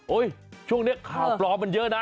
ช่วงนี้ข่าวปลอมมันเยอะนะ